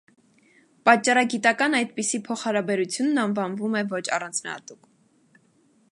Պատճառագիտական այդպիսի փոխհարաբերությունն անվանվում է ոչ առանձնահատուկ։